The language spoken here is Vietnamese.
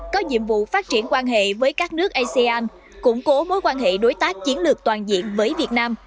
có nhiệm vụ phát triển quan hệ với các nước asean củng cố mối quan hệ đối tác chiến lược toàn diện với việt nam